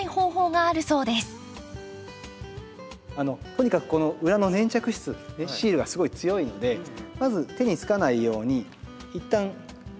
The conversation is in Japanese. とにかくこの裏の粘着質シールがすごい強いのでまず手につかないように一旦手をぬらします。